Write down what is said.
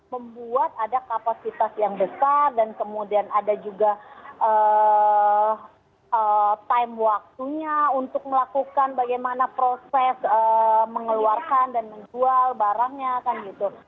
membuat ada kapasitas yang besar dan kemudian ada juga time waktunya untuk melakukan bagaimana proses mengeluarkan dan menjual barangnya kan gitu